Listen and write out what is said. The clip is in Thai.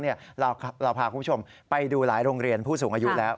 เราพาคุณผู้ชมไปดูหลายโรงเรียนผู้สูงอายุแล้ว